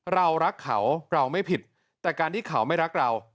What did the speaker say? เรารักเขาเราไม่ผิดแต่การที่เขาไม่รักเรา